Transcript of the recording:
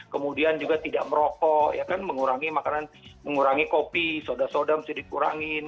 kemudian juga tidak merokok ya kan mengurangi makanan mengurangi kopi soda soda mesti dikurangin